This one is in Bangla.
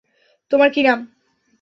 তোমার কী নাম?